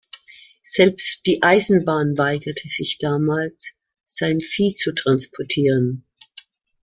Selbst die Eisenbahn weigerte sich damals, sein Vieh zu transportieren.